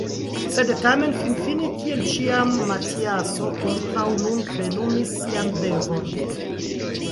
Sed tamen finfine kiel ĉiam Matiaso kontraŭ nun plenumis sian devon.